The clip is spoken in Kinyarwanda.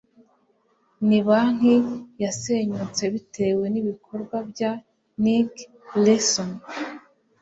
Ni Banki yasenyutse bitewe nibikorwa bya Nick Leeson